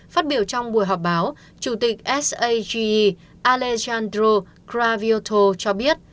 phát biểu trong buổi họp báo chủ tịch sage alejandro kravioto cho biết